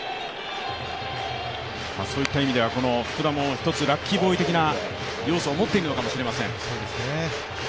そういった意味でも福田も一つラッキーボーイ的な要素を持っているかもしれません。